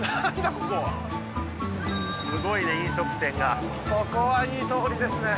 すごいね飲食店がここはいい通りですね